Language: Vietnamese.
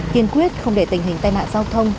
kiên quyết không để tình hình tai nạn giao thông